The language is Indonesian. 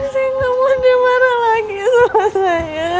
saya gak mau dia marah lagi sama saya